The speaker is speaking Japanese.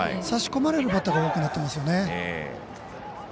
差し込まれるバッターが多くなってますよね。